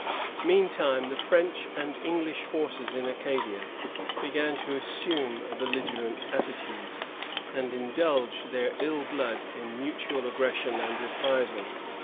Meantime, the French and English forces in Acadia began to assume a belligerent attitude, and indulge their ill blood in mutual aggression and reprisal.